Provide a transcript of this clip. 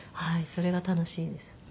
それが楽しいです。